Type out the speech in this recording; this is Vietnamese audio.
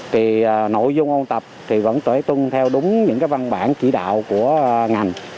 thì nội dung ôn tập thì vẫn phải tuân theo đúng những cái văn bản chỉ đạo của ngành